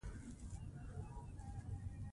جوړونکي عنصرونه خپل لومړني ځانګړتياوي له لاسه ورکوي.